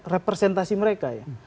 representasi mereka ya